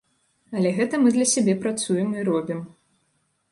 Але гэта мы для сябе працуем і робім.